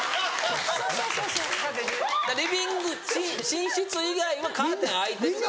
リビング寝室以外はカーテン開いてるから。